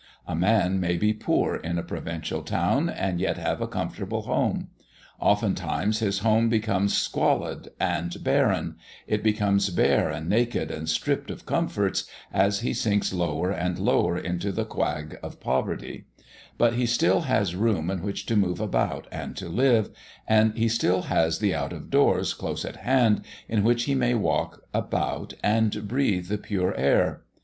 A man may be poor in a provincial town and yet have a comfortable home. Oftentimes his home becomes squalid and barren it becomes bare and naked and stripped of comforts as he sinks lower and lower into the quag of poverty; but he still has room in which to move about and to live, and he still has the out of doors close at hand in which he may walk about and breathe the pure air.